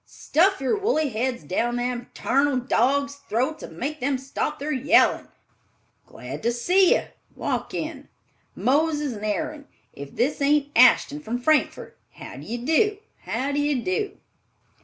Stuff your woolly heads down them tarnal dogs' throats and make them stop their yellin'! Glad to see you—walk in. Moses and Aaron! If this ain't Ashton from Frankfort. How d'ye do? How d'ye do?"